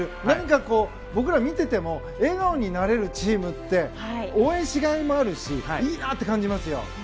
何かこう、僕ら見ていても笑顔になれるチームって応援しがいもあるしいいなと感じますよ。